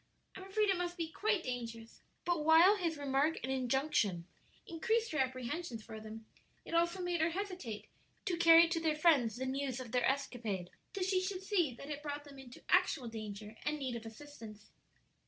I'm afraid it must be quite dangerous." But while his remark and injunction increased her apprehensions for them, it also made her hesitate to carry to their friends the news of their escapade till she should see that it brought them into actual danger and need of assistance.